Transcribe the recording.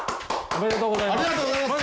ありがとうございます。